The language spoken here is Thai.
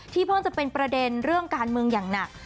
เพิ่งจะเป็นประเด็นเรื่องการเมืองอย่างหนัก